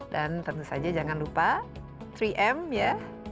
dan tentu saja jangan lupa tiga m ya tiga